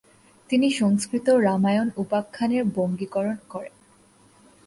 তিনি সংস্কৃত রামায়ণ উপাখ্যানের বঙ্গীকরণ করেন।